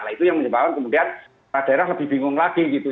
nah itu yang menyebabkan kemudian daerah lebih bingung lagi gitu